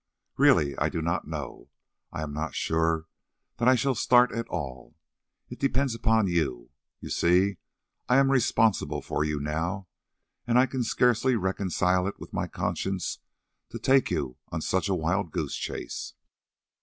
"Really, I do not know. I am not sure that I shall start at all. It depends upon you. You see I am responsible for you now, and I can scarcely reconcile it with my conscience to take on you such a wild goose chase."